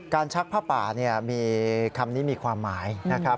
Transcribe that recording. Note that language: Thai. ชักผ้าป่ามีคำนี้มีความหมายนะครับ